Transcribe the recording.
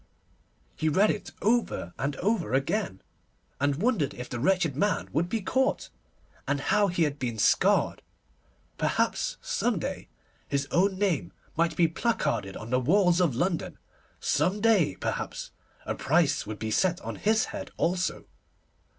He read it over and over again, and wondered if the wretched man would be caught, and how he had been scarred. Perhaps, some day, his own name might be placarded on the walls of London. Some day, perhaps, a price would be set on his head also.